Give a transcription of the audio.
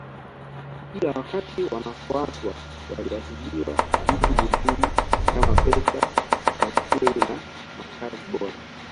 Ila wakati wanafuatwa waliahidiwa vitu vizuri kama Pesa Baiskeli na Makazi bora